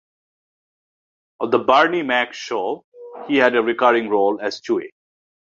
On "The Bernie Mac Show", he had a recurring role as Chuy.